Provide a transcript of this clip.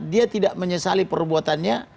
dia tidak menyesali perbuatannya